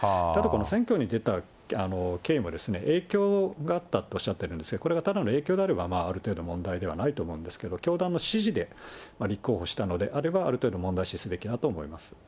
選挙に出た経緯も、影響があったとおっしゃってるんですけど、これがただの影響であれば、ある程度、問題ではないと思うんですけど、教団の指示で立候補したのであれば、ある程度問題視すべきだと思